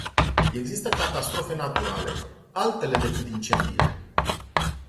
Există catastrofe naturale, altele decât incendiile.